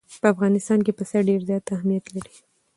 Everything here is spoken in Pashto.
په افغانستان کې پسه ډېر زیات اهمیت لري.